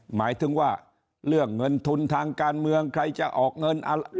หมายถึงว่าเรื่องเงินทุนทางการเมืองใครจะออกเงิน